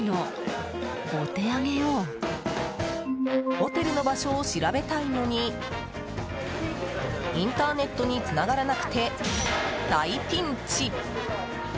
ホテルの場所を調べたいのにインターネットにつながらなくて大ピンチ！